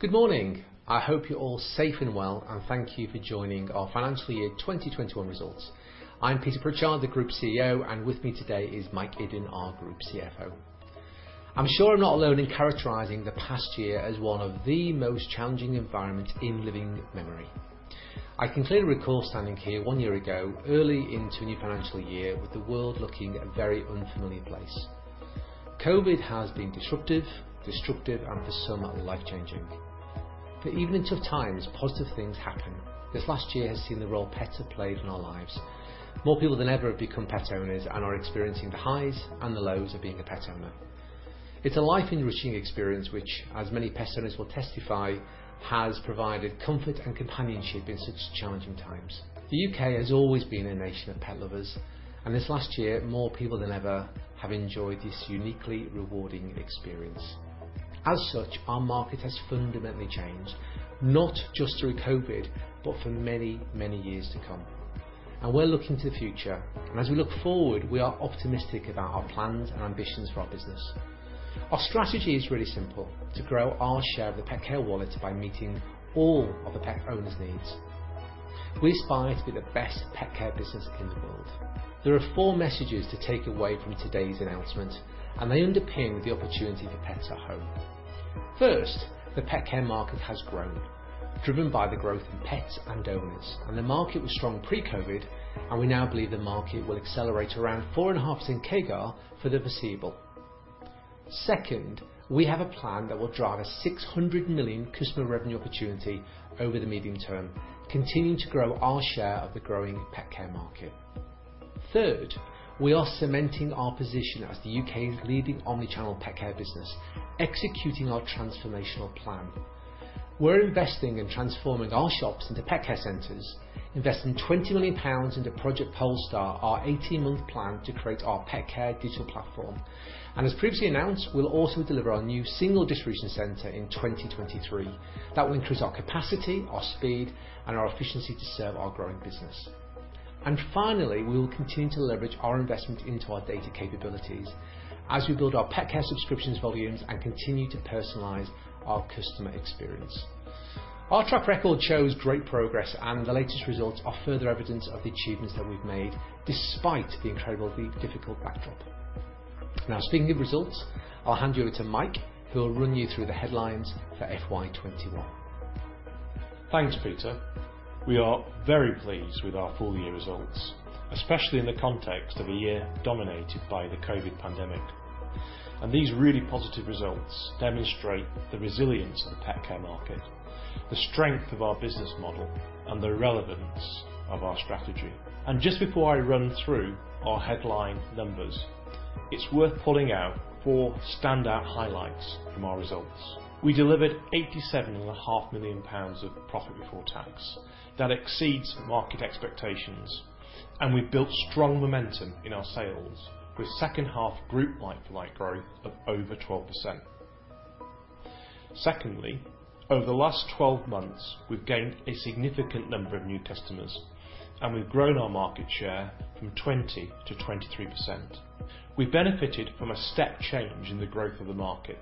Good morning. I hope you're all safe and well. Thank you for joining our Financial Year 2021 results. I'm Peter Pritchard, the Group CEO, and with me today is Mike Iddon, our Group CFO. I'm sure I'm not alone in characterizing the past year as one of the most challenging environments in living memory. I can clearly recall standing here one year ago, early into a new financial year, with the world looking a very unfamiliar place. COVID has been disruptive, destructive, and for some, life-changing. Even in tough times, positive things happen. This last year has seen the role pets have played in our lives. More people than ever have become pet owners and are experiencing the highs and the lows of being a pet owner. It's a life-enriching experience which, as many pet owners will testify, has provided comfort and companionship in such challenging times. The U.K. has always been a nation of pet lovers, and this last year, more people than ever have enjoyed this uniquely rewarding experience. As such, our market has fundamentally changed, not just through COVID, but for many, many years to come, and we're looking to the future. As we look forward, we are optimistic about our plans and ambitions for our business. Our strategy is really simple, to grow our share of the pet care wallet by meeting all of the pet owners' needs. We aspire to be the best pet care business in the world. There are four messages to take away from today's announcement, and they underpin the opportunity for Pets at Home. First, the pet care market has grown, driven by the growth in pets and owners. The market was strong pre-COVID, and we now believe the market will accelerate around 4.5% CAGR for the foreseeable. Second, we have a plan that will drive a 600 million customer revenue opportunity over the medium term, continuing to grow our share of the growing pet care market. Third, we are cementing our position as the U.K.'s leading omni-channel pet care business, executing our transformational plan. We're investing in transforming our shops into pet care centers, investing 20 million pounds into Project Polestar, our 18-month plan to create our pet care digital platform. As previously announced, we'll also deliver our new single distribution center in 2023. That will increase our capacity, our speed, and our efficiency to serve our growing business. Finally, we will continue to leverage our investment into our data capabilities as we build our pet care subscriptions volumes and continue to personalize our customer experience. Our track record shows great progress, and the latest results are further evidence of the achievements that we've made despite the incredibly difficult backdrop. Speaking of results, I'll hand you over to Mike, who will run you through the headlines for FY 2021. Thanks, Peter. We are very pleased with our full-year results, especially in the context of a year dominated by the COVID pandemic. These really positive results demonstrate the resilience of the pet care market, the strength of our business model, and the relevance of our strategy. Just before I run through our headline numbers, it's worth pulling out four standout highlights from our results. We delivered 87.5 million pounds of profit before tax. That exceeds market expectations, and we've built strong momentum in our sales with second half group like-for-like growth of over 12%. Secondly, over the last 12 months, we've gained a significant number of new customers, and we've grown our market share from 20%-23%. We benefited from a step change in the growth of the market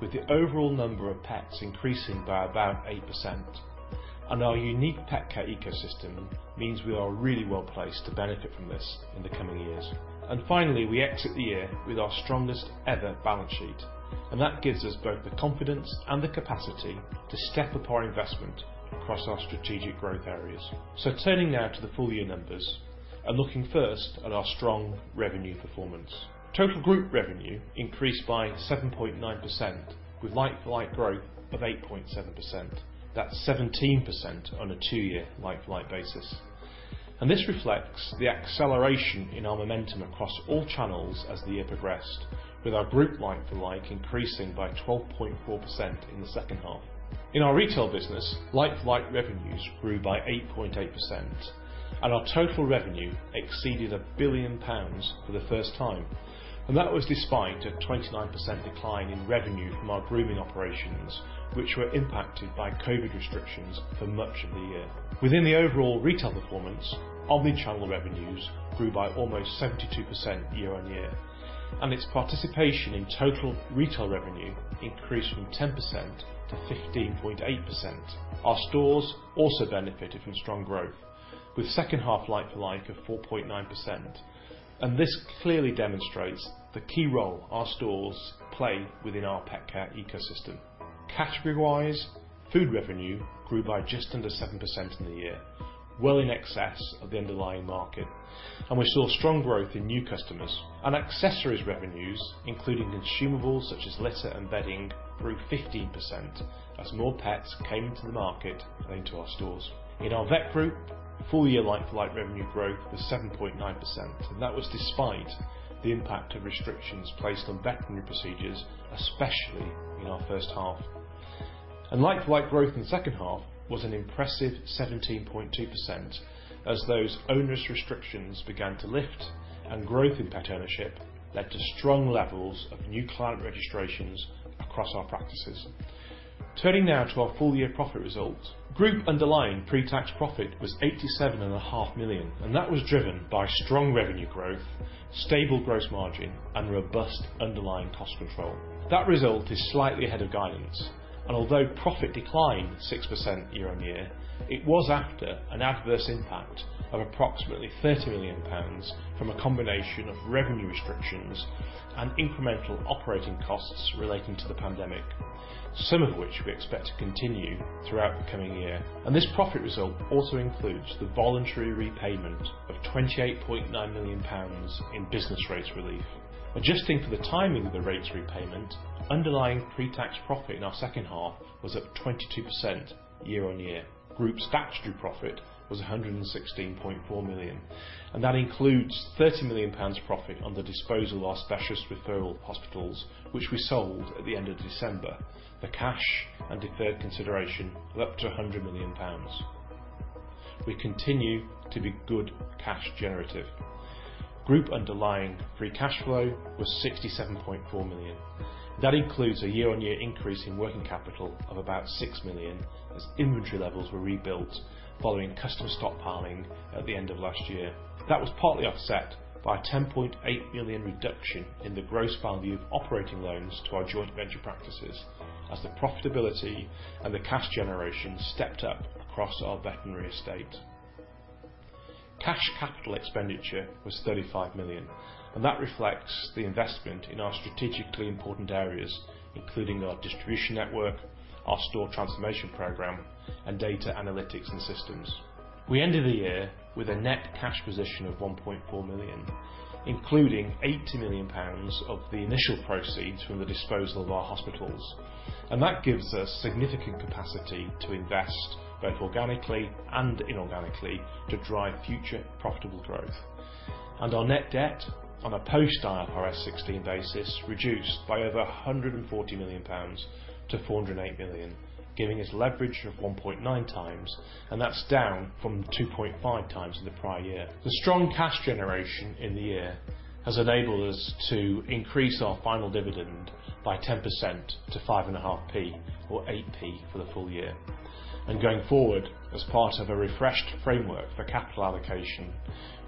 with the overall number of pets increasing by about 8%. Our unique pet care ecosystem means we are really well-placed to benefit from this in the coming years. Finally, we exit the year with our strongest ever balance sheet, and that gives us both the confidence and the capacity to step up our investment across our strategic growth areas. Turning now to the full-year numbers and looking first at our strong revenue performance. Total group revenue increased by 7.9% with like-for-like growth of 8.7%. That's 17% on a two-year like-for-like basis. This reflects the acceleration in our momentum across all channels as the year progressed with our group like-for-like increasing by 12.4% in the second half. In our retail business, like-for-like revenues grew by 8.8%, and our total revenue exceeded £1 billion for the first time. That was despite a 29% decline in revenue from our grooming operations, which were impacted by COVID restrictions for much of the year. Within the overall retail performance, omni-channel revenues grew by almost 72% year-on-year, and its participation in total retail revenue increased from 10%-15.8%. Our stores also benefited from strong growth with second half like-for-like of 4.9%, and this clearly demonstrates the key role our stores play within our pet care ecosystem. Category-wise, food revenue grew by just under 7% in the year, well in excess of the underlying market. We saw strong growth in new customers. Accessories revenues, including consumables such as litter and bedding, grew 15% as more pets came into the market and into our stores. In our vet group, full-year like-for-like revenue growth was 7.9%, that was despite the impact of restrictions placed on veterinary procedures, especially in our first half. Like-for-like growth in the second half was an impressive 17.2% as those onerous restrictions began to lift and growth in pet ownership led to strong levels of new client registrations across our practices. Turning now to our full-year profit results. Group underlying pre-tax profit was 87.5 million, that was driven by strong revenue growth, stable gross margin, and robust underlying cost control. That result is slightly ahead of guidance, although profit declined 6% year-on-year, it was after an adverse impact of approximately 30 million pounds from a combination of revenue restrictions and incremental operating costs relating to the pandemic, some of which we expect to continue throughout the coming year. This profit result also includes the voluntary repayment of 28.9 million pounds in business rate relief. Adjusting for the timing of the rates repayment, underlying pre-tax profit in our second half was up 22% year-over-year. Group statutory profit was 116.4 million, and that includes 30 million pounds profit on the disposal of our specialist referral hospitals, which we sold at the end of December for cash and deferred consideration of up to 100 million pounds. We continue to be good cash generative. Group underlying free cash flow was 67.4 million. That includes a year-over-year increase in working capital of about 6 million as inventory levels were rebuilt following customer stockpiling at the end of last year. That was partly offset by a 10.8 million reduction in the gross value of operating loans to our joint venture practices as the profitability and the cash generation stepped up across our veterinary estate. Cash capital expenditure was 35 million, and that reflects the investment in our strategically important areas, including our distribution network, our store transformation program, and data analytics and systems. We end the year with a net cash position of 1.4 million, including 80 million pounds of the initial proceeds from the disposal of our hospitals, and that gives us significant capacity to invest both organically and inorganically to drive future profitable growth. Our net debt on a post IFRS 16 basis reduced by over 140 million-408 million pounds, giving us leverage of 1.9x, and that's down from 2.5x in the prior year. The strong cash generation in the year has enabled us to increase our final dividend by 10% to 0.055 or 0.08 for the full year. Going forward, as part of a refreshed framework for capital allocation,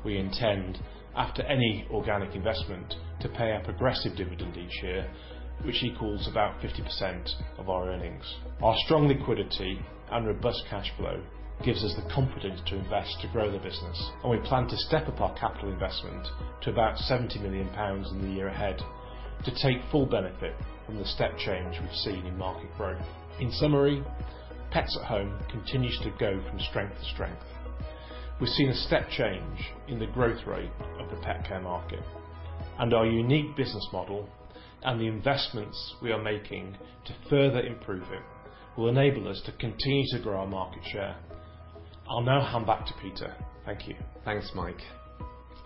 we intend, after any organic investment, to pay a progressive dividend each year, which equals about 50% of our earnings. Our strong liquidity and robust cash flow gives us the confidence to invest to grow the business, and we plan to step up our capital investment to about 70 million pounds in the year ahead to take full benefit from the step change we've seen in market growth. In summary, Pets at Home continues to go from strength to strength. We're seeing a step change in the growth rate of the pet care market and our unique business model and the investments we are making to further improve it will enable us to continue to grow our market share. I'll now hand back to Peter. Thank you. Thanks, Mike.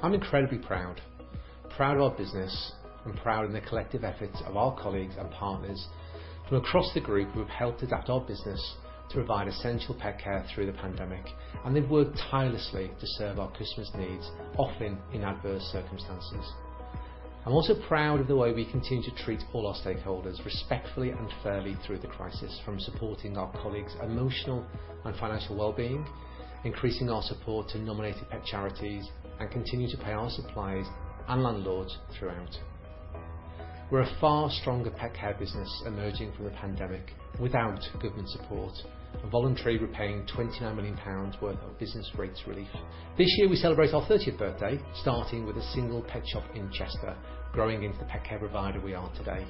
I'm incredibly proud of our business and proud of the collective efforts of our colleagues and partners who across the group have helped adapt our business to provide essential pet care through the pandemic. They've worked tirelessly to serve our customers' needs, often in adverse circumstances. I'm also proud of the way we continue to treat all our stakeholders respectfully and fairly through the crisis, from supporting our colleagues' emotional and financial well-being, increasing our support to nominated pet charities, and continue to pay our suppliers and landlords throughout. We're a far stronger pet care business emerging from the pandemic without government support and voluntarily repaying 29 million pounds worth of business rates relief. This year we celebrate our 30th day, starting with a single pet shop in Chester, growing into the pet care provider we are today.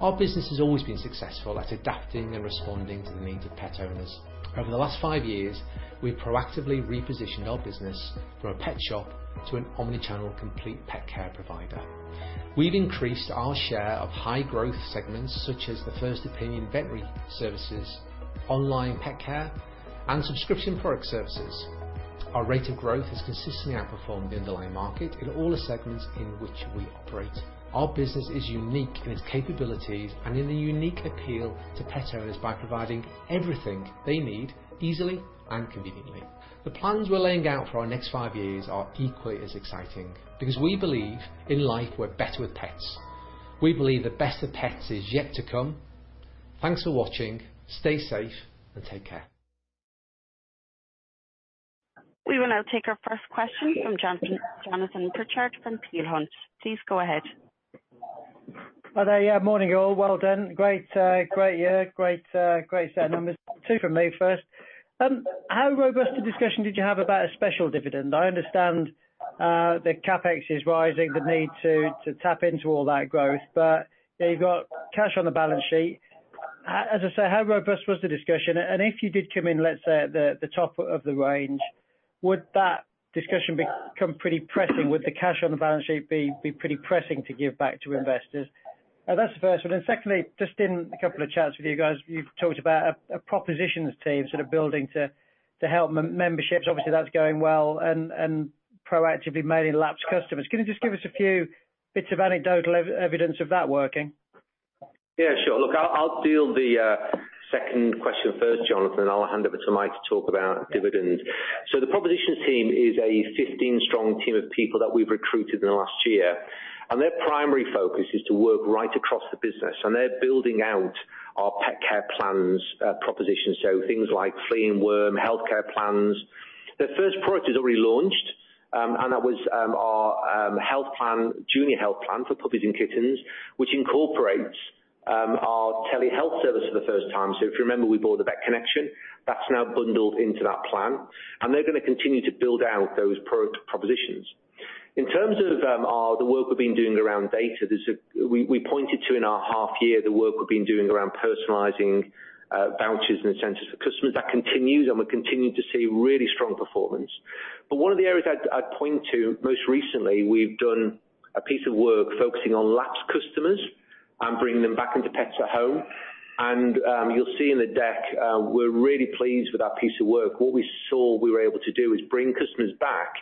Our business has always been successful at adapting and responding to the needs of pet owners. Over the last five years, we proactively repositioned our business from a pet shop to an omni-channel complete pet care provider. We've increased our share of high growth segments such as the first opinion veterinary services, online pet care, and subscription product services. Our rate of growth has consistently outperformed the underlying market in all the segments in which we operate. Our business is unique in its capabilities and in the unique appeal to pet owners by providing everything they need easily and conveniently. The plans we're laying out for our next five years are equally as exciting because we believe in life we're better with pets. We believe the best of pets is yet to come. Thanks for watching. Stay safe and take care. We will now take our first question from Jonathan Pritchard, from Peel Hunt. Please go ahead. Hello. Yeah, morning all. Well done. Great year. Great numbers. Two from me first. How robust a discussion did you have about a special dividend? I understand the CapEx is rising, the need to tap into all that growth, but you've got cash on the balance sheet. As I say, how robust was the discussion? If you did come in, let's say, at the top of the range, would that discussion become pretty pressing? Would the cash on the balance sheet be pretty pressing to give back to investors? That's the first one. Secondly, just in a couple of chats with you guys, you've talked about a propositions team sort of building to help memberships. Obviously, that's going well and proactively making lapsed customers. Can you just give us a few bits of anecdotal evidence of that working? I'll deal the second question first, Jonathan. I'll hand over to Mike to talk about dividends. The propositions team is a 15 strong team of people that we've recruited in the last year. Their primary focus is to work right across the business, and they're building out our pet care plans proposition, so things like flea and worm healthcare plans. Their first product is already launched, and that was our junior health plan for puppies and kittens, which incorporates our telehealth service for the first time. If you remember, we bought The Vet Connection. That's now bundled into that plan, and they're going to continue to build out those product propositions. In terms of the work we've been doing around data, we pointed to in our half year the work we've been doing around personalizing vouchers and incentives for customers. That continues, and we're continuing to see really strong performance. One of the areas I'd point to most recently, we've done a piece of work focusing on lapsed customers and bringing them back into Pets at Home. You'll see in the deck, we're really pleased with that piece of work. What we saw we were able to do is bring customers back,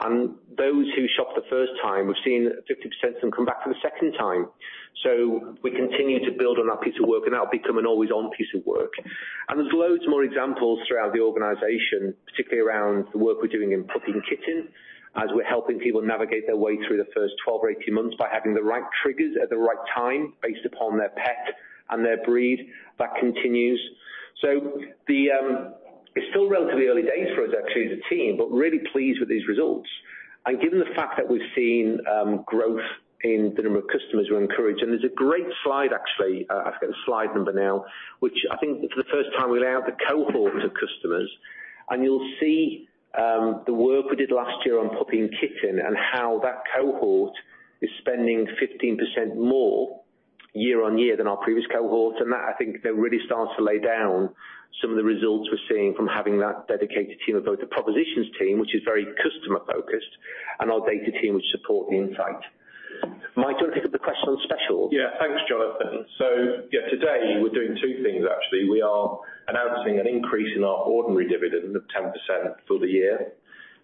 and those who shopped the first time, we've seen 50% of them come back the second time. We're continuing to build on that piece of work, and that will become an always-on piece of work. There's loads more examples throughout the organization, particularly around the work we're doing in puppies and kittens, as we're helping people navigate their way through the first 12 or 18 months by having the right triggers at the right time based upon their pet and their breed. That continues. It's still relatively early days for us actually as a team, but really pleased with these results. Given the fact that we've seen growth in the number of customers, we're encouraged. There's a great slide actually, I think it's slide number nine, which I think for the first time we now have the cohorts of customers. You'll see the work we did last year on Puppy & Kitten and how that cohort is spending 15% more year-on-year than our previous cohort. That, I think they're really starting to lay down some of the results we're seeing from having that dedicated team of both the propositions team, which is very customer-focused, and our data team which support the insight. Mike, can you talk about the question on specials? Thanks, Jonathan. Today we're doing two things actually. We are announcing an increase in our ordinary dividend of 10% for the year,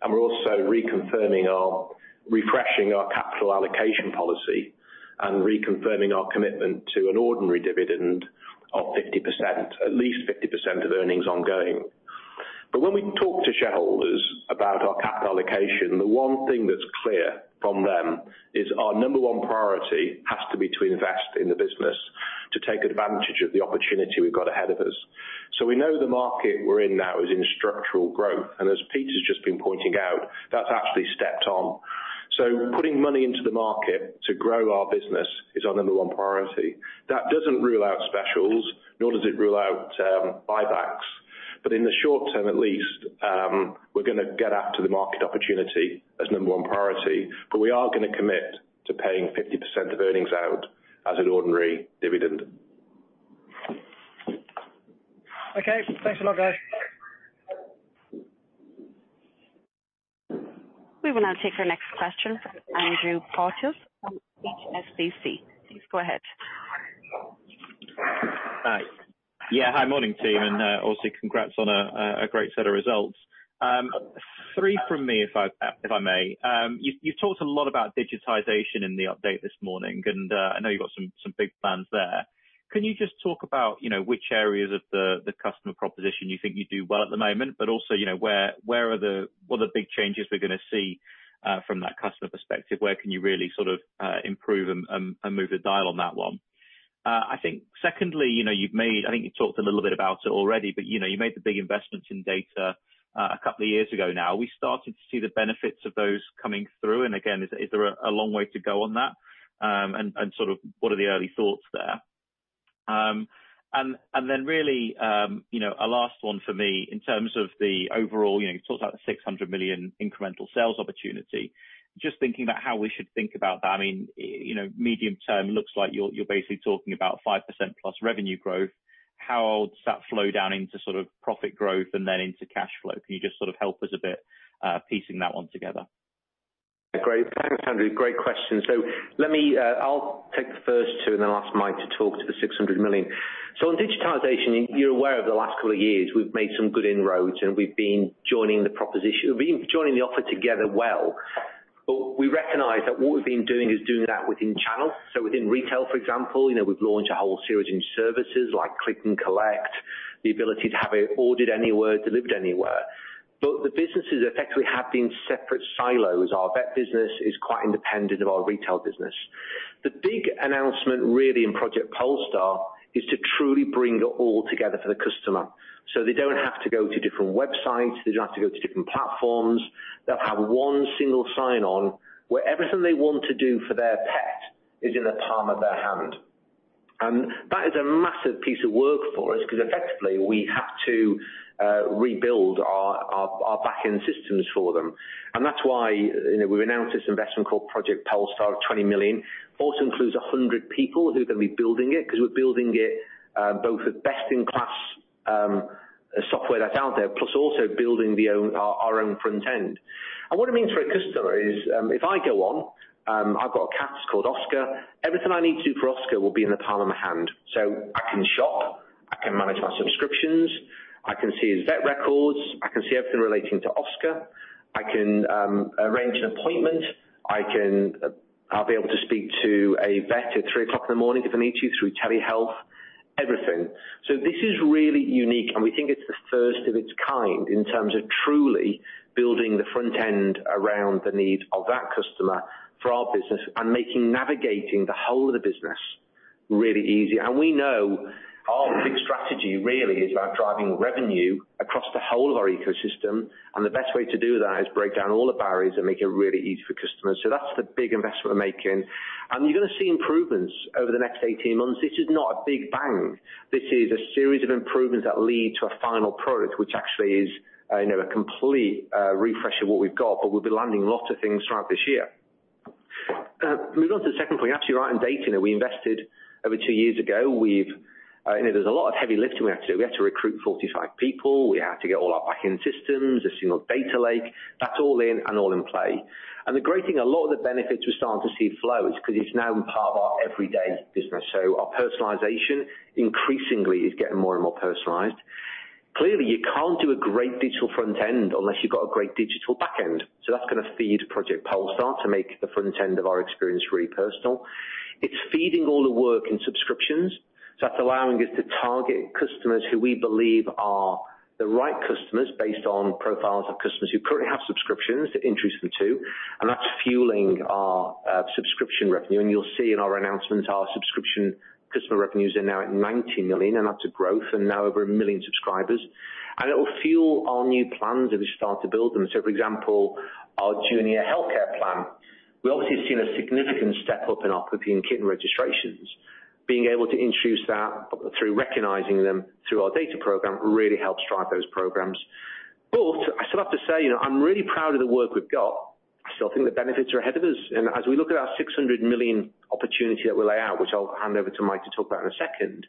and we're also refreshing our capital allocation policy and reconfirming our commitment to an ordinary dividend of 50%, at least 50% of earnings ongoing. When we talk to shareholders about our capital allocation, the number one thing that's clear from them is our number one priority has to be to invest in the business to take advantage of the opportunity we've got ahead of us. We know the market we're in now is in structural growth, and as Peter's just been pointing out, that's actually stepped on. Putting money into the market to grow our business is our number one priority. That doesn't rule out specials, nor does it rule out buybacks. In the short term at least, we're going to get after the market opportunity as number one priority. We are going to commit to paying 50% of earnings out as an ordinary dividend. Okay, thanks a lot, guys. We will now take our next question from Andrew Porteous from HSBC. Please go ahead. Yeah, hi, morning to you, and also congrats on a great set of results. Three from me, if I may. You talked a lot about digitization in the update this morning, and I know you've got some big plans there. Can you just talk about which areas of the customer proposition you think you do well at the moment, but also what are the big changes we're going to see from that customer perspective? Where can you really sort of improve and move the dial on that one? I think secondly, I think you talked a little bit about it already, but you made the big investments in data a couple of years ago now. We started to see the benefits of those coming through. Again, is there a long way to go on that, and sort of what are the early thoughts there? Really, a last one for me in terms of the overall, you talked about the 600 million incremental sales opportunity. Just thinking about how we should think about that. I mean, medium term looks like you're basically talking about 5% plus revenue growth. How does that flow down into sort of profit growth and then into cash flow? Can you just sort of help us a bit piecing that one together? Great. Thanks, Andrew. Great question. I'll take the first two, and then ask Mike to talk through the 600 million. On digitization, you're aware the last couple of years, we've made some good inroads and we've been joining the proposition. We've been joining the offer together well. We recognize that what we've been doing is doing that within channels. Within retail, for example, we've launched our whole series in services like Click & Collect, the ability to have it ordered anywhere, delivered anywhere. The businesses effectively have been separate silos. Our vet business is quite independent of our retail business. The big announcement really in Project Polestar is to truly bring it all together for the customer. They don't have to go to different websites, they don't have to go to different platforms. They'll have one single sign-on, where everything they want to do for their pet is in the palm of their hand. That is a massive piece of work for us because effectively, we have to rebuild our back-end systems for them. That's why we announced this investment called Project Polestar of 20 million. Polestar includes 100 people who are going to be building it because we're building it both with best-in-class software that's out there, plus also building our own front end. What it means for a customer is, if I go on, I've got a cat called Oscar. Everything I need to do for Oscar will be in the palm of my hand. I can shop, I can manage my subscriptions, I can see his vet records, I can see everything relating to Oscar. I can arrange an appointment. I'll be able to speak to a vet at 3:00 o'clock in the morning if I need to through telehealth. Everything. This is really unique, and we think it's the first of its kind in terms of truly building the front end around the needs of that customer for our business and making navigating the whole of the business really easy. We know our big strategy really is about driving revenue across the whole of our ecosystem, and the best way to do that is break down all the barriers and make it really easy for customers. That's the big investment we're making. You're going to see improvements over the next 18 months. This is not a big bang. This is a series of improvements that lead to a final product, which actually is a complete refresh of what we've got. We'll be landing lots of things throughout this year. Moving on to the second point, you're absolutely right on data. We invested over two years ago. There's a lot of heavy lifting we had to do. We had to recruit 45 people. We had to get all our back end systems, a single data lake. That's all in and all in play. The great thing, a lot of the benefits we're starting to see flow is because it's now part of our everyday business. Our personalization increasingly is getting more and more personalized. Clearly, you can't do a great digital front end unless you've got a great digital back end. That's going to feed Project Polestar to make the front end of our experience really personal. It's feeding all the work in subscriptions. That's allowing us to target customers who we believe are the right customers based on profiles of customers who currently have subscriptions to introduce them to. That's fueling our subscription revenue. You'll see in our announcement our subscription customer revenues are now at 90 million, and that's a growth and now over a million subscribers. It will fuel our new plans as we start to build them. For example, our Junior healthcare plan. We obviously have seen a significant step-up in our puppy and kitten registrations. Being able to introduce that through recognizing them through our data program really helps drive those programs. I still have to say, I'm really proud of the work we've got. I still think the benefits are ahead of us. As we look at our 600 million opportunity that we lay out, which I'll hand over to Mike to talk about in a second,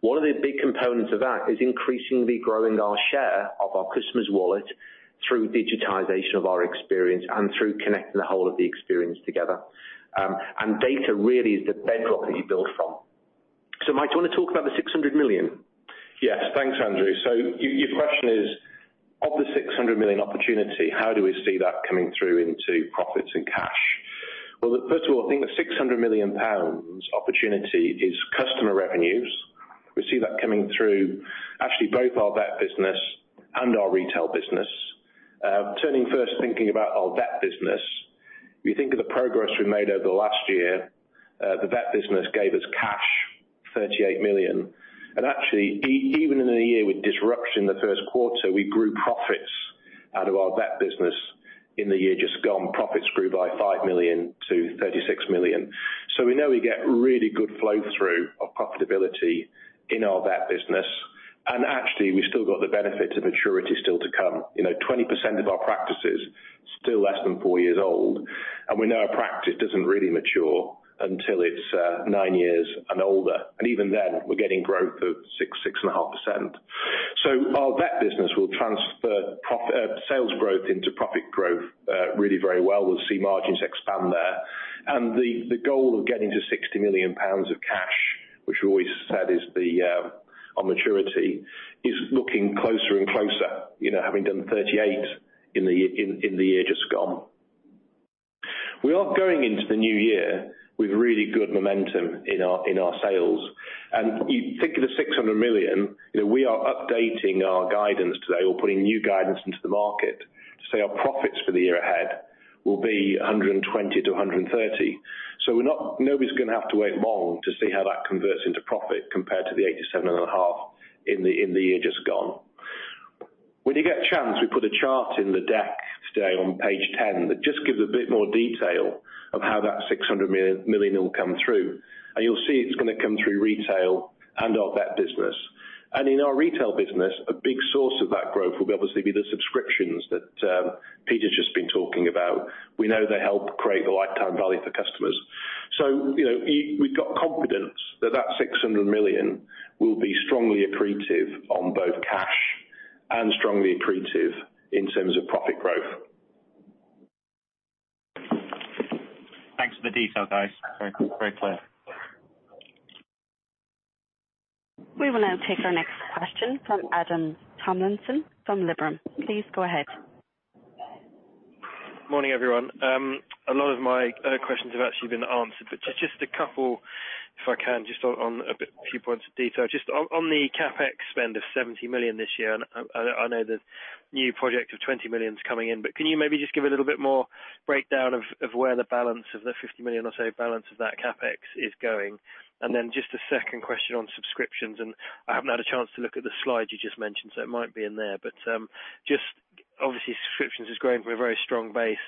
one of the big components of that is increasingly growing our share of our customers' wallet through digitization of our experience and through connecting the whole of the experience together. Data really is the bedrock that you build from. Mike, do you want to talk about the 600 million? Yes. Thanks, Andrew. Your question is, of the 600 million opportunity how do we see that coming through into profits and cash? Well, first of all, I think the 600 million pounds opportunity is customer revenues. We see that coming through actually both our vet business and our retail business. Turning first thinking about our vet business. If you think of the progress we made over the last year, the vet business gave us cash, 38 million. Actually, even in a year with disruption in the first quarter, we grew profits out of our vet business. In the year just gone, profits grew by 5 million to 36 million. We know we get really good flow-through of profitability in our vet business. Actually, we still got the benefit of maturity still to come. 20% of our practice is still less than four years old. We know a practice doesn't really mature until it's nine years and older. Even then, we're getting growth of 6.5%. Our vet business will transfer sales growth into profit growth really very well. We'll see margins expand there. The goal of getting to 60 million pounds of cash, which we always said is our maturity, is looking closer and closer, having done 38 million in the year just gone. We are going into the new year with really good momentum in our sales. You think of the 600 million, we are updating our guidance today. We're putting new guidance into the market to say our profits for the year ahead will be 120 million-130 million. Nobody's going to have to wait long to see how that converts into profit compared to the 87.5 million in the year just gone. When you get a chance, we put a chart in the deck today on page 10 that just gives a bit more detail of how that 600 million will come through. You'll see it's going to come through retail and our vet business. In our retail business, a big source of that growth will obviously be the subscriptions that Peter's just been talking about. We know they help create the lifetime value for customers. We've got confidence that 600 million will be strongly accretive on both cash and strongly accretive in terms of profit growth. Thanks for the detail, guys. Very clear. We will now take our next question from Adam Tomlinson from Liberum. Please go ahead. Morning, everyone. A lot of my questions have actually been answered, but just a couple if I can, just on a few points of detail. Just on the CapEx spend of 70 million this year, and I know the new project of 20 million is coming in, but can you maybe just give a little bit more breakdown of where the balance of the 50 million or so balance of that CapEx is going? Just a second question on subscriptions, I haven't had a chance to look at the slide you just mentioned, so it might be in there. Just obviously subscriptions is growing from a very strong base,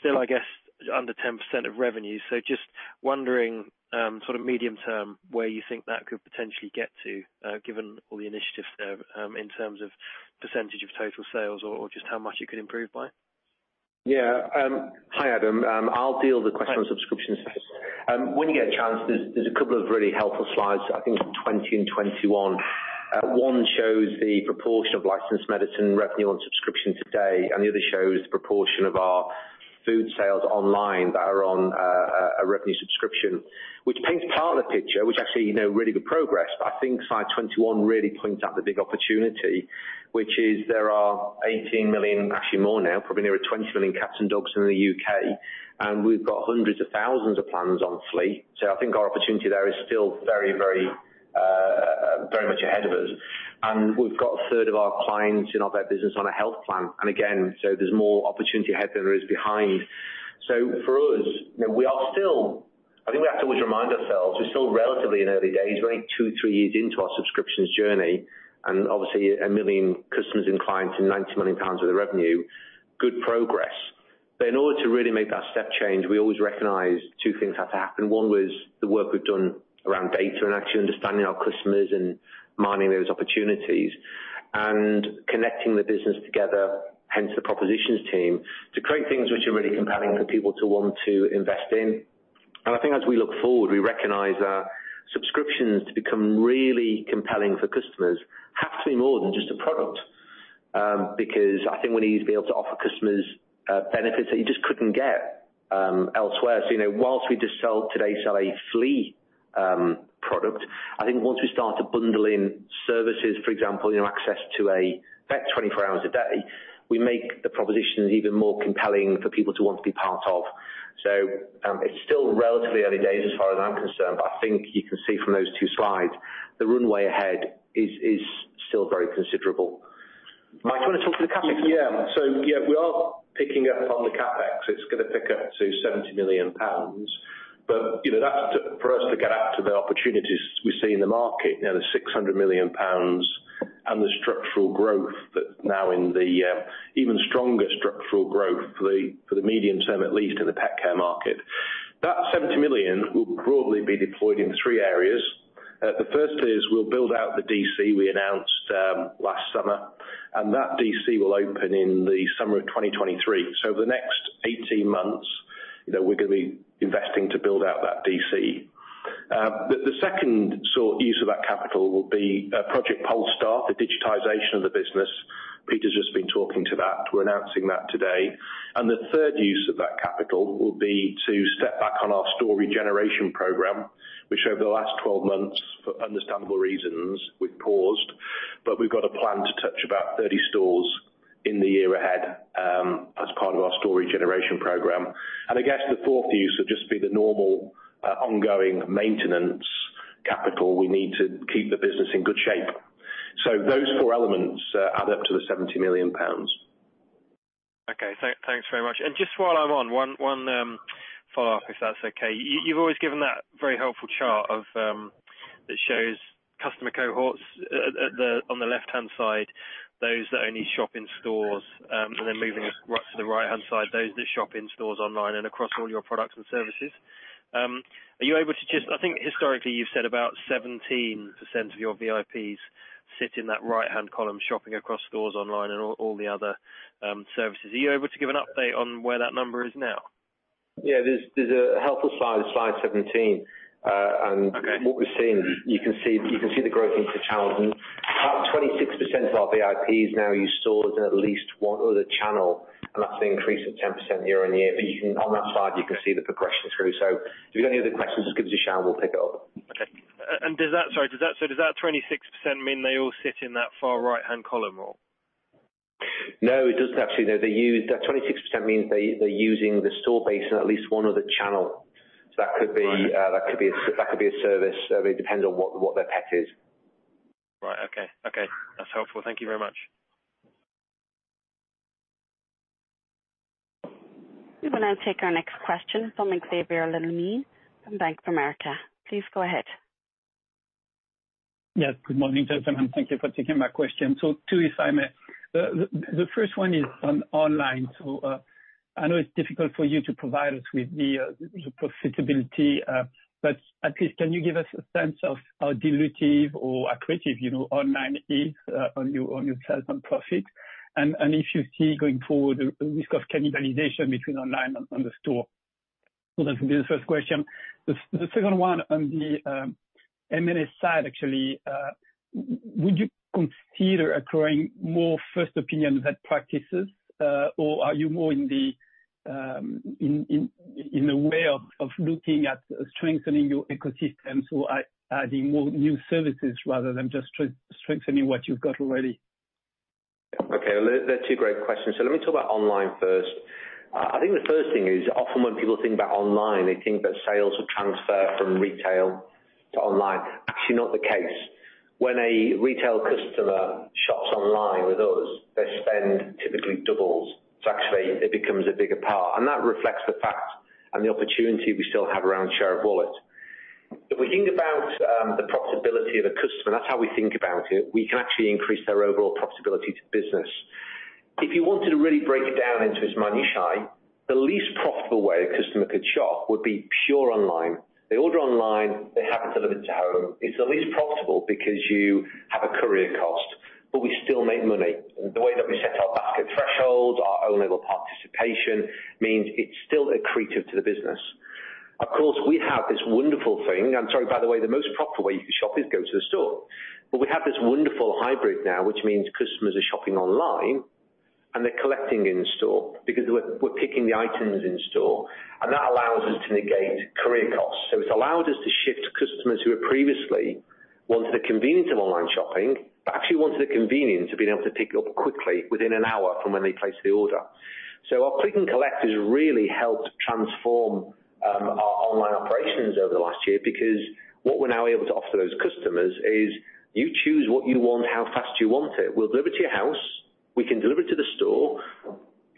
still, I guess, under 10% of revenue. Just wondering sort of medium term where you think that could potentially get to given all the initiatives there in terms of percentage of total sales or just how much it could improve by? Yeah. Hi, Adam. I'll deal with the question on subscriptions first. When you get a chance, there's a couple of really helpful slides, I think 20 and 21. One shows the proportion of licensed medicine revenue on subscription today, and the other shows the proportion of our food sales online that are on a revenue subscription, which paints part of the picture, which actually really good progress. I think slide 21 really points out the big opportunity. Which is there are 18 million, actually more now, probably nearer 20 million cats and dogs in the U.K., and we've got hundreds of thousands of plans on flea. I think our opportunity there is still very much ahead of us. We've got a third of our clients in all of our business on a health plan, and again, so there's more opportunity ahead than there is behind. For us, I think we have to always remind ourselves, we're still relatively in early days. We're only two, three years into our subscriptions journey, and obviously 1 million customers and clients and 90 million pounds of the revenue, good progress. In order to really make that step change, we always recognize two things have to happen. One was the work we've done around data and actually understanding our customers and mining those opportunities and connecting the business together, hence the propositions team, to create things which are really compelling for people to want to invest in. I think as we look forward, we recognize our subscriptions to become really compelling for customers have to be more than just a product, because I think we need to be able to offer customers benefits that you just couldn't get elsewhere. Whilst we today sell a flea product, I think once we start to bundle in services, for example, access to a vet 24 hours a day, we make the propositions even more compelling for people to want to be part of. It's still relatively early days as far as I'm concerned. I think you can see from those two slides, the runway ahead is still very considerable. Mike, do you want to talk to the CapEx? Yeah. We are picking up on the CapEx. It's going to pick up to 70 million pounds. For us to get out to the opportunities we see in the market now, the 600 million pounds and the structural growth that's now in the even stronger structural growth for the medium term, at least in the pet care market. That 70 million will broadly be deployed in three areas. The first is we'll build out the DC we announced last summer, and that DC will open in the summer of 2023. Over the next 18 months, we're going to be investing to build out that DC. The second sort of use of that capital will be Project Polestar, the digitization of the business. Peter's just been talking to that. We're announcing that today. The third use of that capital will be to step back on our store regeneration program, which over the last 12 months, for understandable reasons, we've paused. We've got a plan to touch about 30 stores in the year ahead, as part of our store regeneration program. I guess the fourth use would just be the normal ongoing maintenance capital we need to keep the business in good shape. Those four elements add up to the 70 million pounds. Okay, thanks very much. Just while I'm on, one follow-up, if that's okay. You've always given that very helpful chart that shows customer cohorts on the left-hand side, those that only shop in stores, and then moving to the right-hand side, those that shop in stores online and across all your products and services. I think historically, you've said about 17% of your VIPs sit in that right-hand column, shopping across stores online and all the other services. Are you able to give an update on where that number is now? Yeah, there's a helpful slide 17. Okay. What we're seeing, you can see the growth into channels. About 26% of our VIPs now use stores and at least one other channel, and that's an increase of 10% year-on-year. On that slide, you can see the progression through. If you've any other questions, just give us a shout and we'll pick it up. Okay. Sorry, does that 26% mean they all sit in that far right-hand column or? No, it doesn't actually. No. That 26% means they're using the store base and at least one other channel. That could be a service. It depends on what their pet is. Right. Okay. That's helpful. Thank you very much. We will now take our next question from Xavier Le Mené from Bank of America. Please go ahead. Yes, good morning, gentlemen. Thank you for taking my question. Two, if I may. The first one is on online. I know it's difficult for you to provide us with the profitability, but at least can you give us a sense of how dilutive or accretive online is on your sales and profit? If you see going forward the risk of cannibalization between online and the store? That's going to be the first question. The second one on the M&A side, actually. Would you consider acquiring more First Opinion vet practices? Are you more in the way of looking at strengthening your ecosystem, so adding more new services rather than just strengthening what you've got already? Okay. They're two great questions. Let me talk about online first. I think the first thing is, often when people think about online, they think that sales will transfer from retail to online. Actually not the case. When a retail customer shops online with us, their spend typically doubles. Actually it becomes a bigger part, and that reflects the fact and the opportunity we still have around share of wallet. If we think about the profitability of a customer, that's how we think about it, we can actually increase their overall profitability to business. If you wanted to really break it down into its minutiae, the least profitable way a customer could shop would be pure online. They order online, they have it delivered to home. It's the least profitable because you have a courier cost, but we still make money. The way that we set our basket thresholds, our own label participation means it's still accretive to the business. Of course, we have this wonderful thing, and sorry, by the way, the most profitable way you can shop is go to the store. We have this wonderful hybrid now, which means customers are shopping online and they're collecting in-store because we're picking the items in-store, and that allows us to negate courier costs. It's allowed us to shift to customers who had previously wanted the convenience of online shopping, but actually want the convenience of being able to pick it up quickly within an hour from when they place the order. Our Click & Collect has really helped transform our online operations over the last year because what we're now able to offer those customers is you choose what you want and how fast you want it. We'll deliver to your house. We can deliver to the store.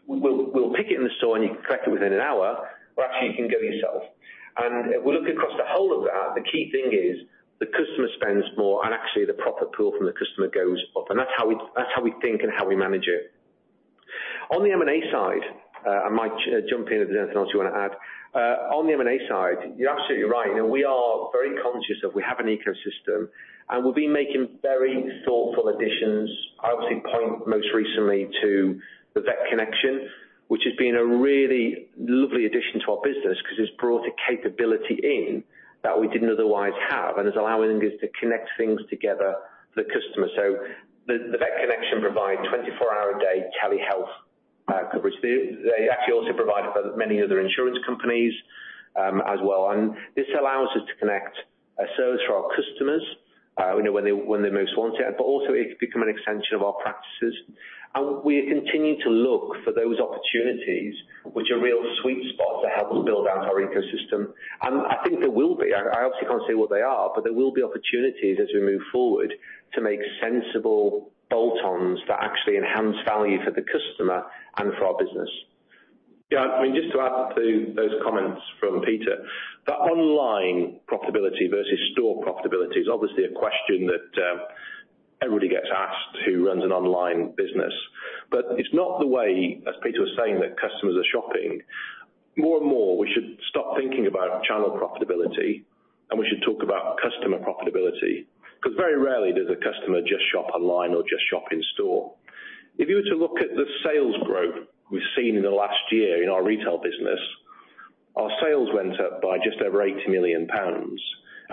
We'll pick it in the store, and you can collect it within an hour, or actually you can go yourself. Looking across the whole of that, the key thing is the customer spends more and actually the profit pool from the customer goes up. That's how we think and how we manage it. On the M&A side, Mike jump in with anything else you want to add. On the M&A side, you're absolutely right. We are very conscious that we have an ecosystem, and we'll be making very thoughtful additions, I would say most recently to The Vet Connection, which has been a really lovely addition to our business because it's brought a capability in that we didn't otherwise have, and it's allowing us to connect things together for the customer. The Vet Connection provide 24-hour-a-day telehealth coverage. They actually also provide for many other insurance companies as well. This allows us to connect a service for our customers when they most want it, but also it's become an extension of our practices. We continue to look for those opportunities which are real sweet spots that help us build out our ecosystem. I think there will be, I obviously can't say what they are, but there will be opportunities as we move forward to make sensible bolt-ons that actually enhance value for the customer and for our business. Yeah, just to add to those comments from Peter, that online profitability versus store profitability is obviously a question that everybody gets asked who runs an online business. It's not the way, as Peter was saying, that customers are shopping. More and more, we should stop thinking about channel profitability, and we should talk about customer profitability because very rarely does a customer just shop online or just shop in store. If you were to look at the sales growth we've seen in the last year in our retail business, our sales went up by just over 80 million pounds.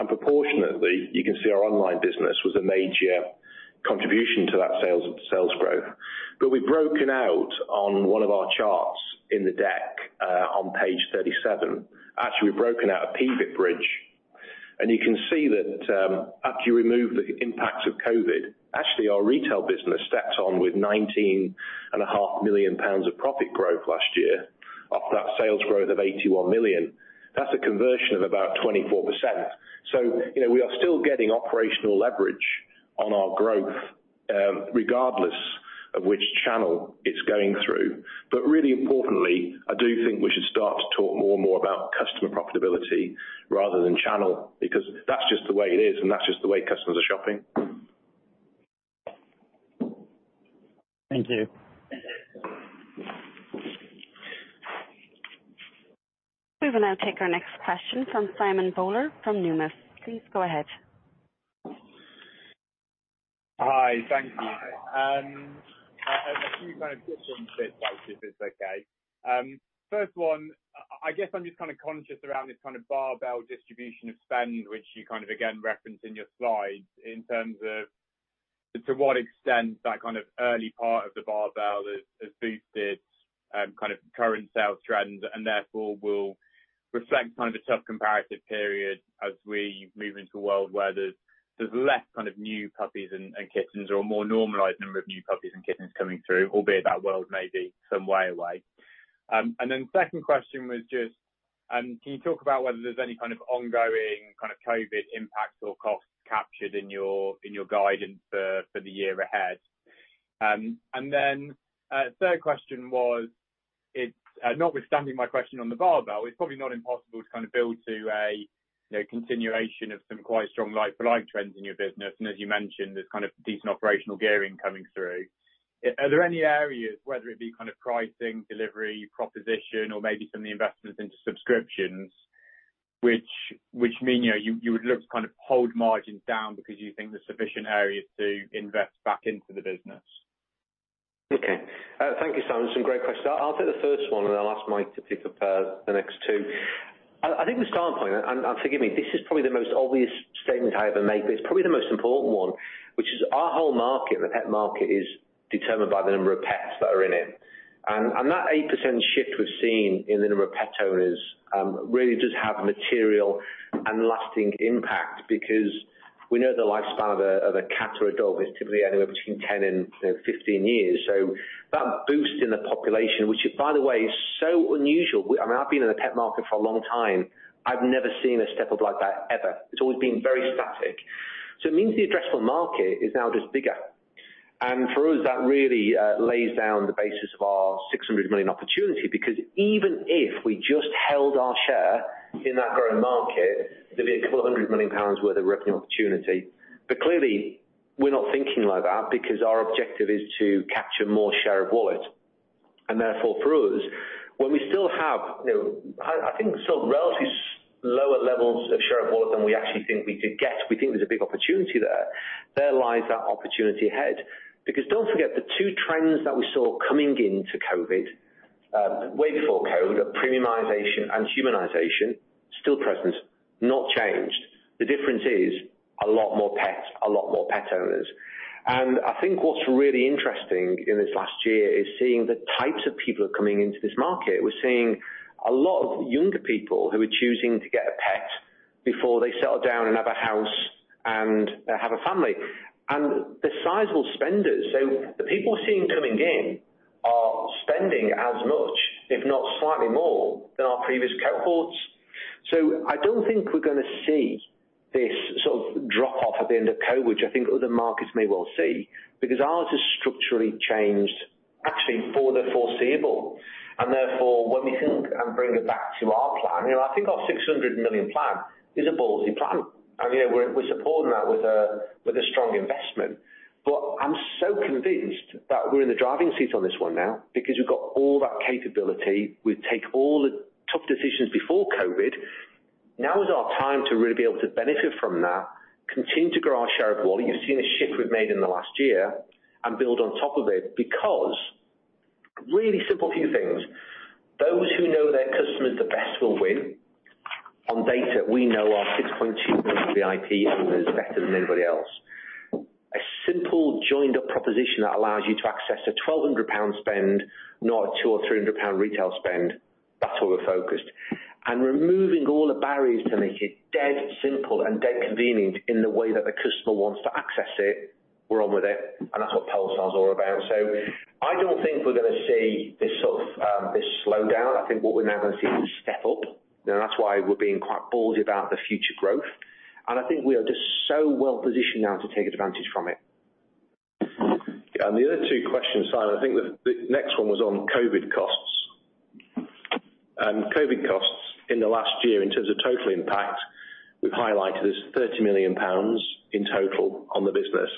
Proportionately, you can see our online business was a major contribution to that sales growth. We've broken out on one of our charts in the deck on page 37. Actually, we've broken out COVID bridge, and you can see that after you remove the impact of COVID, actually our retail business stacked on with 19.5 million pounds of profit growth last year off that sales growth of GBP 81 million. That's a conversion of about 24%. Really importantly, I do think we should start to talk more and more about customer profitability rather than channel, because that's just the way it is and that's just the way customers are shopping. Thank you. We will now take our next question from Simon Bowler from Numis. Please go ahead. Hi. Thank you. A few different bits, actually, if it's okay. First one, I guess I'm just conscious around this barbell distribution of spend, which you again reference in your slides in terms of to what extent that early part of the barbell has boosted current sales trends and therefore will reflect tough comparative period as we move into a world where there's less new puppies and kittens or a more normalized number of new puppies and kittens coming through, albeit that world may be some way away. Second question was just, can you talk about whether there's any ongoing COVID impact or cost captured in your guidance for the year ahead? Third question was, notwithstanding my question on the barbell, it's probably not impossible to build to a continuation of some quite strong like-for-like trends in your business. As you mentioned, there's decent operational gearing coming through. Are there any areas, whether it be pricing, delivery, proposition, or maybe some of the investments into subscriptions, which mean you would look to hold margins down because you think there's sufficient areas to invest back into the business? Okay. Thank you, Simon. Some great questions. I will take the first one and I will ask Mike to take the next two. I think the starting point, forgive me, this is probably the most obvious statement I have ever made, but it is probably the most important one, which is our whole market, the pet market, is determined by the number of pets that are in it. That 8% shift we have seen in the number of pet owners really does have material and lasting impact because we know the lifestyle of a cat or a dog is typically anywhere between 10 and 15 years. That boost in the population, which by the way, is so unusual. I have been in the pet market for a long time. I have never seen a step-up like that, ever. It is always been very static. It means the addressable market is now just bigger. For us, that really lays down the basis of our 600 million opportunity because even if we just held our share in that growing market, there'd be 100 million pounds worth of revenue opportunity. Clearly, we're not thinking like that because our objective is to capture more share of wallet. Therefore for us, when we still have, I think relatively lower levels of share of wallet than we actually think we could get, we think there's a big opportunity there. There lies that opportunity ahead. Don't forget, the two trends that we saw coming into COVID Way before COVID, premiumization and humanization still present, not changed. The difference is a lot more pets, a lot more pet owners. I think what's really interesting in this last year is seeing the types of people who are coming into this market. We're seeing a lot of younger people who are choosing to get a pet before they settle down and have a house and have a family. They're sizable spenders. The people we're seeing coming in are spending as much, if not slightly more, than our previous cohorts. I don't think we're going to see this sort of drop off at the end of COVID, which I think other markets may well see, because ours has structurally changed, actually for the foreseeable. Therefore, when we think and bring it back to our plan, I think our 600 million plan is a ballsy plan, and we're supporting that with a strong investment. I'm so convinced that we're in the driving seat on this one now because we've got all that capability. We've take all the tough decisions before COVID. Now is our time to really be able to benefit from that, continue to grow our share of wallet. You've seen a shift we've made in the last year, build on top of it because really simple few things. Those who know their customers the best will win on data. We know our 6.2 million VIP owners better than anybody else. A simple joined up proposition that allows you to access a 1,200 pound spend, not a 200 or 300 pound retail spend. That's all we're focused. Removing all the barriers to make it dead simple and dead convenient in the way that the customer wants to access it. We're on with it, and that's what Polestar is all about. I don't think we're going to see this sort of slowdown. I think what we're now going to see is a step up, and that's why we're being quite ballsy about the future growth. I think we are just so well-positioned now to take advantage from it. The other two questions, Simon, I think the next one was on COVID costs. COVID costs in the last year in terms of total impact, we've highlighted is 30 million pounds in total on the business.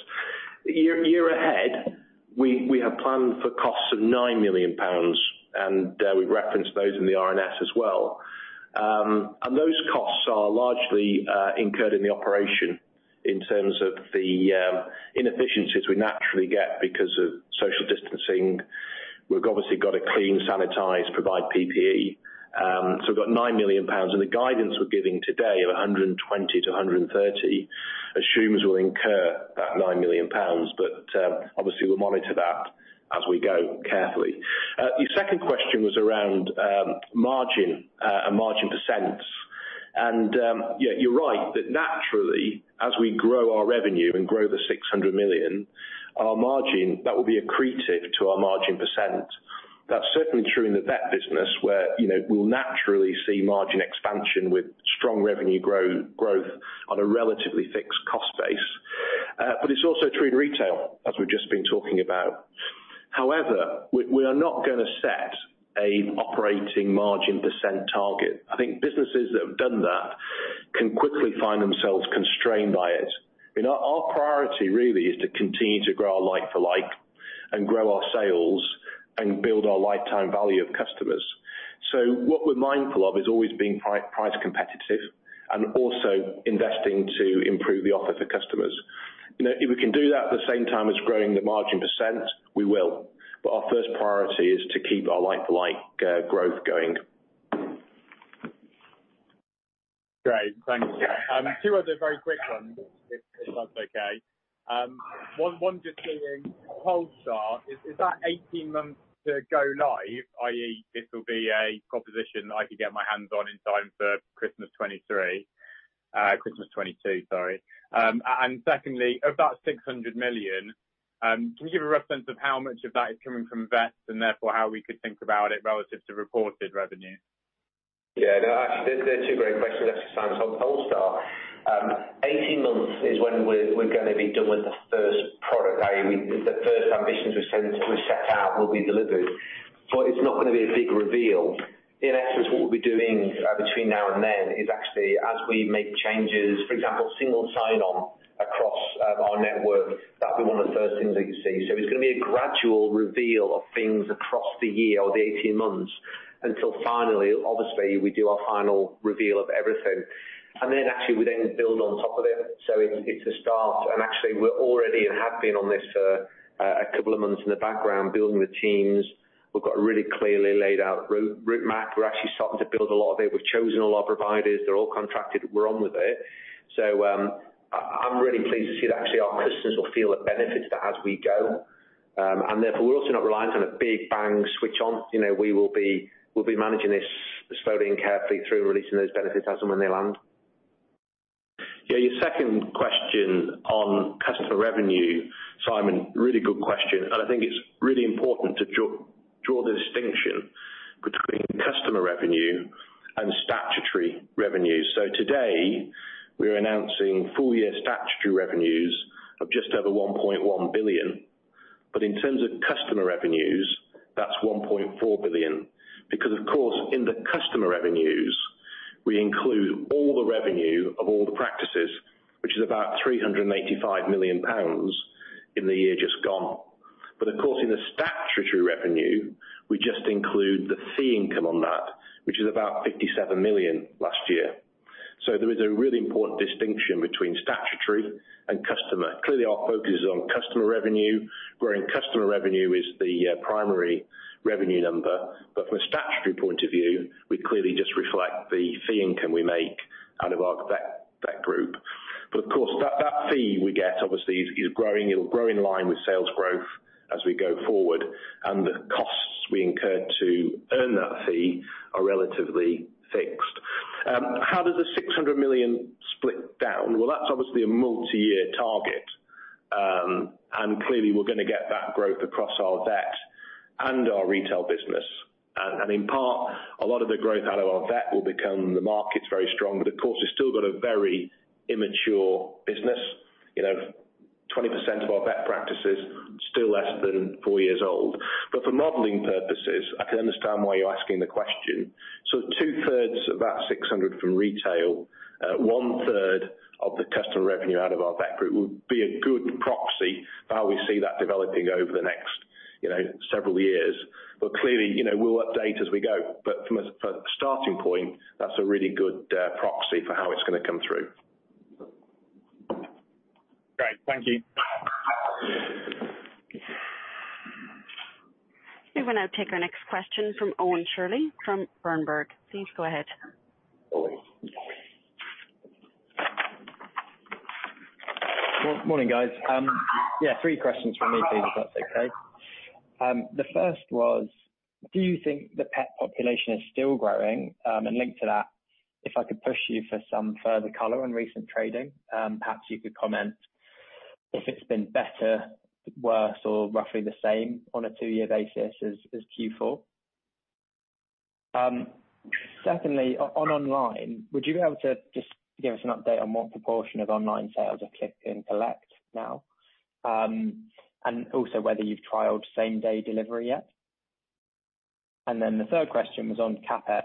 Year ahead, we have planned for costs of 9 million pounds. We've referenced those in the RNS as well. Those costs are largely incurred in the operation in terms of the inefficiencies we naturally get because of social distancing. We've obviously got to clean, sanitize, provide PPE. We've got 9 million pounds, the guidance we're giving today of 120 million-130 million assumes we'll incur that 9 million pounds. Obviously we'll monitor that as we go carefully. Your second question was around margin percents. You're right that naturally, as we grow our revenue and grow the 600 million, our margin, that will be accretive to our margin percent. That's certainly true in the vet business where we'll naturally see margin expansion with strong revenue growth on a relatively fixed cost base. It's also true in retail, as we've just been talking about. We are not going to set an operating margin percent target. I think businesses that have done that can quickly find themselves constrained by it. Our priority really is to continue to grow our like-for-like, and grow our sales and build our lifetime value of customers. What we're mindful of is always being price competitive and also investing to improve the offer for customers. If we can do that at the same time as growing the margin percent, we will. Our first priority is to keep our like-for-like growth going. Great. Thanks. Two other very quick ones, if that's okay. One just being Polestar. Is that 18 months to go live, i.e., this will be a proposition that I could get my hands on in time for Christmas 2023, Christmas 2022, sorry. Secondly, of that 600 million, can you give a reference of how much of that is coming from vets and therefore how we could think about it relative to reported revenue? Yeah. No, actually, they're two great questions, Simon. Polestar, 18 months is when we're going to be done with the first product, i.e., the first ambitions we set out will be delivered. It's not going to be a big reveal. In essence, what we'll be doing between now and then is actually as we make changes, for example, single sign-on across our network, that'll be one of the first things that you see. There's going to be a gradual reveal of things across the year or the 18 months until finally, obviously, we do our final reveal of everything. Actually we then build on top of it. It's a start. Actually we're already and have been on this for a couple of months in the background, building the teams. We've got a really clearly laid out route map. We're actually starting to build a lot of it. We've chosen a lot of providers. They're all contracted. We're on with it. I'm really pleased to see that actually our customers will feel the benefits of that as we go. Therefore, we're also not reliant on a big bang switch on. We'll be managing this slowly and carefully through releasing those benefits as and when they land. Yeah, your second question on customer revenue, Simon, really good question. I think it's really important to draw the distinction between customer revenue and statutory revenue. Today we're announcing full year statutory revenues of just over 1.1 billion. In terms of customer revenues, that's 1.4 billion, because of course, in the customer revenues, we include all the revenue of all the practices, which is about 385 million pounds in the year just gone. Of course, in the statutory revenue, we just include the fee income on that, which is about 57 million last year. There is a really important distinction between statutory and customer. Clearly, our focus is on customer revenue, wherein customer revenue is the primary revenue number. From a statutory point of view, we clearly just reflect the fee income we make out of our Vet Group. Of course, that fee we get obviously is growing in line with sales growth as we go forward, and the costs we incur to earn that fee are relatively fixed. How does the 600 million split down? Well, that's obviously a multi-year target, and clearly we're going to get that growth across our Vet and our Retail business. In part, a lot of the growth out of our Vet will come when the market's very strong. Of course, we've still got a very immature business. 20% of our Vet practices are still less than four years old. For modeling purposes, I can understand why you're asking the question. Two-thirds of that 600 from Retail, one-third of the customer revenue out of our Vet Group would be a good proxy for how we see that developing over the next several years. Clearly, we'll update as we go. From a starting point, that's a really good proxy for how it's going to come through. Great. Thank you. We will now take our next question from Owen Shirley from Berenberg. Please go ahead. Morning, guys. Yeah, three questions from me, please, if that's okay. The first was, do you think the pet population is still growing? Linked to that, if I could push you for some further color on recent trading, perhaps you could comment if it's been better, worse, or roughly the same on a two-year basis as Q4. Secondly, on online, would you be able to just give us an update on what proportion of online sales are Click & Collect now, and also whether you've trialed same-day delivery yet? The third question was on CapEx.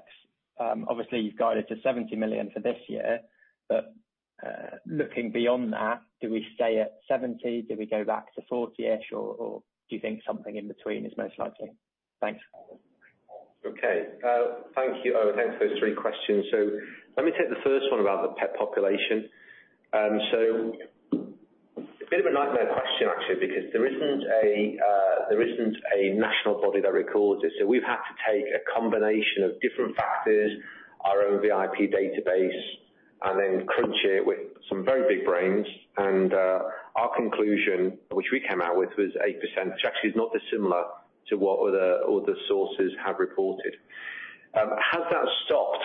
Obviously, you've guided to 70 million for this year, but looking beyond that, do we stay at 70? Do we go back to 40-ish, or do you think something in between is most likely? Thanks. Thank you, Owen, for those three questions. Let me take the first one about the pet population. It's a bit of a nightmare question, actually, because there isn't a national body that records it. We've had to take a combination of different factors, our own VIP database, and then crunch it with some very big brains. Our conclusion which we came out with was 8%, which actually is not dissimilar to what other sources have reported. Has that stopped?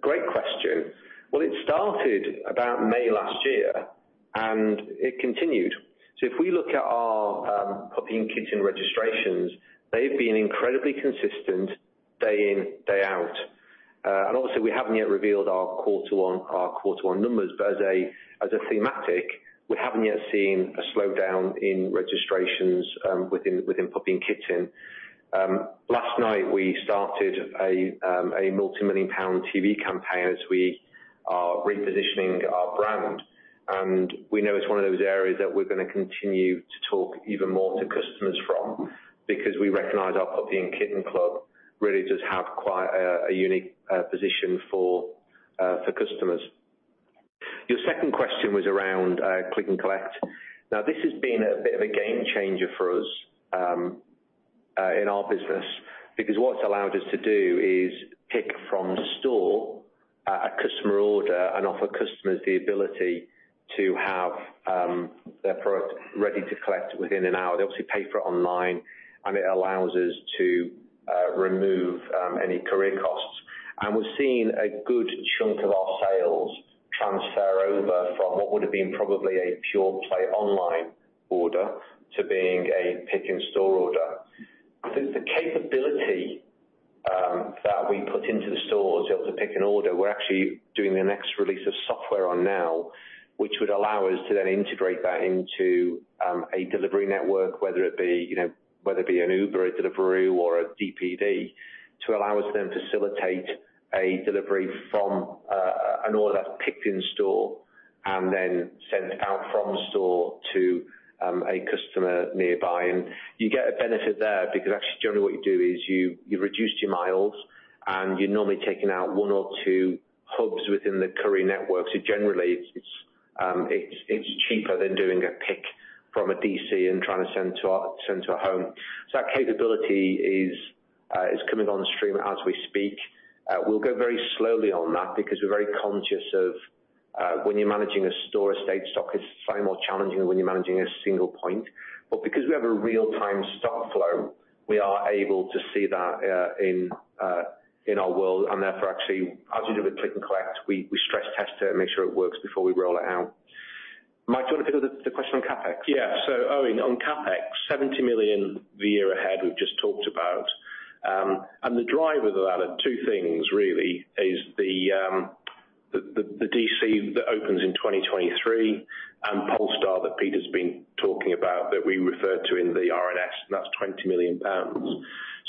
Great question. Well, it started about May last year, and it continued. If we look at our Puppy & Kitten registrations, they've been incredibly consistent day in, day out. Obviously, we haven't yet revealed our Q1 numbers. As a thematic, we haven't yet seen a slowdown in registrations within Puppy & Kitten. Last night we started a multi-million pound TV campaign as we are repositioning our brand. We know it is one of those areas that we are going to continue to talk even more to customers from because we recognize our Puppy & Kitten Club really does have quite a unique position for customers. Your second question was around Click & Collect. This has been a bit of a game changer for us in our business because what it has allowed us to do is pick from the store a customer order and offer customers the ability to have their product ready to collect within an hour. They obviously pay for it online. It allows us to remove any courier costs. We are seeing a good chunk of our sales transfer over from what would have been probably a pure play online order to being a pick in store order. The capability that we put into the stores to be able to pick an order, we're actually doing the next release of software on now, which would allow us to then integrate that into a delivery network, whether it be an Uber, a Deliveroo or a DPD, to allow us then to facilitate a delivery from an order picked in store and then sent out from the store to a customer nearby. You get a benefit there because actually generally what you do is you reduce your miles and you're normally taking out one or two hubs within the courier network. Generally it's cheaper than doing a pick from a DC and trying to send to a home. That capability is coming on stream as we speak. We'll go very slowly on that because we're very conscious of when you're managing a store estate stock it's so more challenging than when you're managing a single point. Because we have a real-time stock flow, we are able to see that in our world and therefore actually as we do the Click & Collect we stress-test it and make sure it works before we roll it out. Mike, do you want to do the question on CapEx? Yeah. Owen on CapEx, 70 million the year ahead we've just talked about. The driver of that are two things really is the DC that opens in 2023 and Polestar that Peter's been talking about that we referred to in the RNS, and that's 20 million pounds.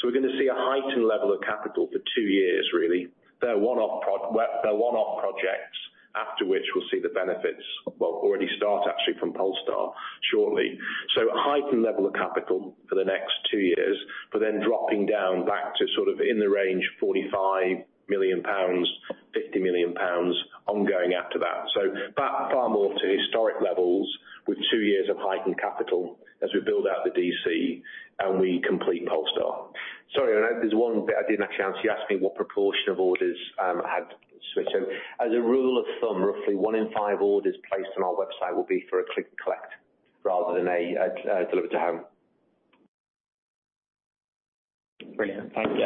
We're going to see a heightened level of capital for two years really. They're one-off projects after which we'll see the benefits, well, already start actually from Polestar shortly. Heightened level of capital for the next two years, but then dropping down back to sort of in the range 45 million-50 million pounds ongoing after that. Back far more to historic levels with two years of heightened capital as we build out the DC and we complete Polestar. Sorry, there's one bit I didn't answer. You asked me what proportion of orders have switched. As a rule of thumb, roughly one in five orders placed on our website will be for a Click & Collect rather than a delivered to home. Brilliant. Thank you.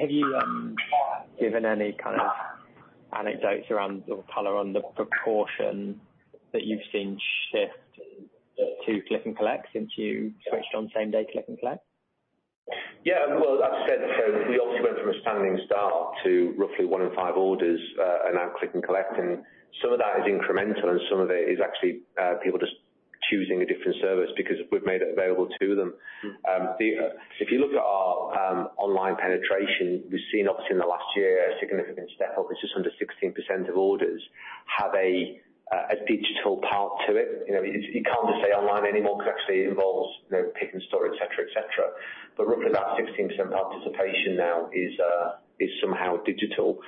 Have you given any kind of anecdote around or color on the proportion that you've seen shift to Click & Collect since you switched on same-day Click & Collect? Well, as I said, so we obviously went from a standing start to roughly one in five orders are now Click & Collect, and some of that is incremental and some of it is actually people just choosing a different service because we've made it available to them. If you look at our online penetration, we've seen obviously in the last year a significant step up, just under 16% of orders have a digital part to it. You can't just say online anymore because obviously it involves click and store, et cetera. Roughly about 16% participation now is somehow digital.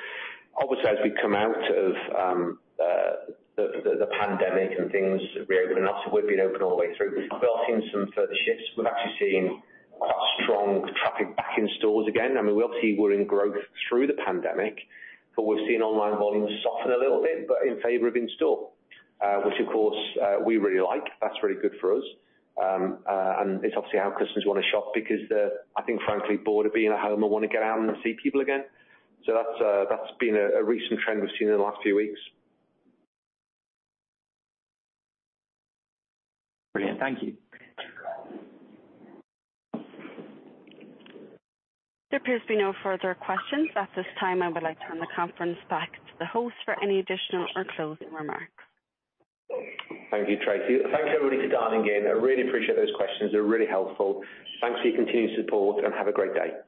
Obviously, as we come out of the pandemic and things reopen up, so we've been open all the way through, but we are seeing some further shifts. We're actually seeing quite strong traffic back in stores again. We will see Retail growth through the pandemic. We've seen online volumes soften a little bit. In favor of in-store which of course, we really like. That's very good for us. It's obviously how customers want to shop because I think frankly people are being at home and want to get out and see people again. That's been a recent trend we've seen in the last few weeks. Brilliant. Thank you. There appears to be no further questions. At this time, I would like to turn the conference back to the host for any additional or closing remarks. Thank you, Tracy. Thank you, everybody, for dialing in. I really appreciate those questions. They're really helpful. Thanks for your continued support and have a great day.